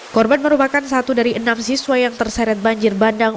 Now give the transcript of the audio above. korban merupakan satu dari enam siswa yang terseret banjir bandang